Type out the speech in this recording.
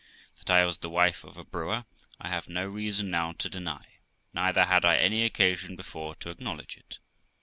That I was the wife of a brewer, I have no reason now to deny, neither had I any occasion before to acknowledge it.